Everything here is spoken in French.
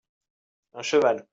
Un cheval.